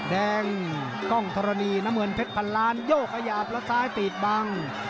แดงกล้องธรณีน้ำเงินเพชรพันล้านโยกขยับแล้วซ้ายปิดบัง